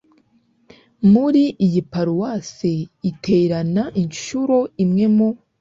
muri iyo paruwase iterana inshuro imwe mu